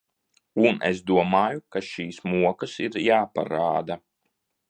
Un es domāju, ka šīs mokas ir jāparāda.